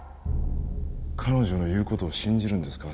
彼女の言うことを信じるんですか？